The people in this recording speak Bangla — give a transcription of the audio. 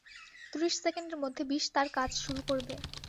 ত্রিশ সেকেন্ডের মধ্যে বিষ তার কাজ শুরু করবে।